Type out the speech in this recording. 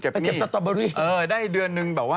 เออได้เดือนนึง